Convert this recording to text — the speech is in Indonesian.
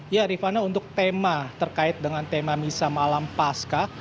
ya rifana untuk tema terkait dengan tema misa malam pasca